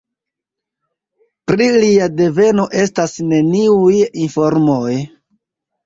Pri lia deveno estas neniuj informoj.